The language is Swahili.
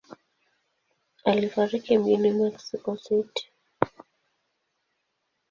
Alifariki mjini Mexico City.